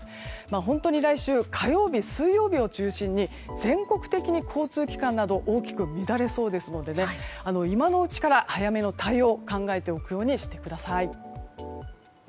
本当に来週は火曜日、水曜日を中心に全国的に交通機関など大きく乱れそうですので今のうちから早めの対応を考えておくようにしてください。